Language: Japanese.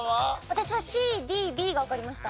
私はＣＤＢがわかりました。